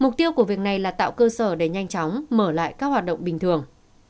mục tiêu của việc này là tạo cơ sở để nhanh chóng mở lại các hoạt động bình thường